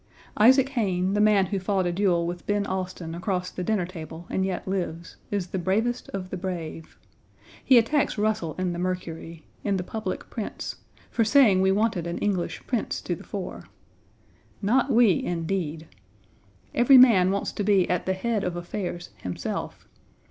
Isaac Hayne, the man who fought a duel with Ben Alston across the dinner table and yet lives, is the bravest of the brave. He attacks Russell in the Mercury in the public prints for saying we wanted an English prince to the fore. Not we, indeed! Every man wants to be at the head of affairs himself.